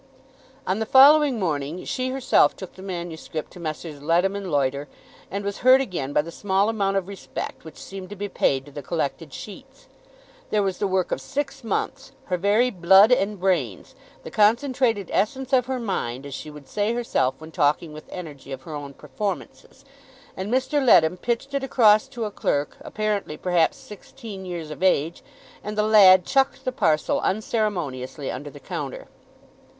On the following morning she herself took the manuscript to Messrs. Leadham and Loiter, and was hurt again by the small amount of respect which seemed to be paid to the collected sheets. There was the work of six months; her very blood and brains, the concentrated essence of her mind, as she would say herself when talking with energy of her own performances; and Mr. Leadham pitched it across to a clerk, apparently perhaps sixteen years of age, and the lad chucked the parcel unceremoniously under a counter.